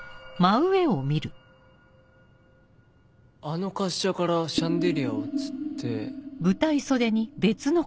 あの滑車からシャンデリアをつって。